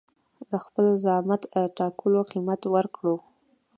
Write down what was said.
د خپل زعامت ټاکلو قيمت ورکړو.